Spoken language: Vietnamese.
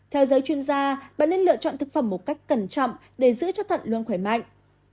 theo giới chuyên gia bà nên lựa chọn thực phẩm một cách cẩn trọng để giữ cho thận luôn khỏe mạnh